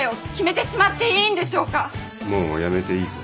もうやめていいぞ。